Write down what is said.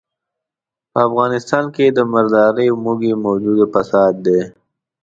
په افغانستان کې د مردارۍ موږی موجوده فساد دی.